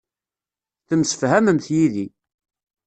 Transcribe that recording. Temsefhamemt yid-i.